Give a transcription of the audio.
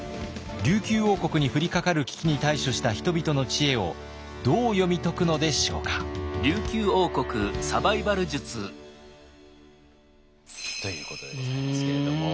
琉球王国に降りかかる危機に対処した人々の知恵をどう読み解くのでしょうか？ということでございますけれども。